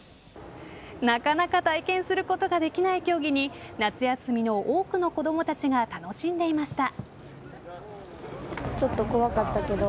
なかなか体験することができない競技に夏休みの多くの子供たちが楽しんでいました。